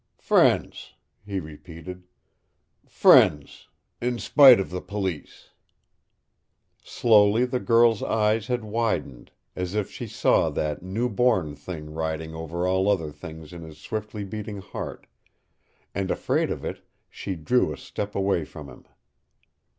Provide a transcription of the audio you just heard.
"Friends," he repeated. "Friends in spite of the police." Slowly the girl's eyes had widened, as if she saw that new born thing riding over all other things in his swiftly beating heart. And afraid of it, she drew a step away from him.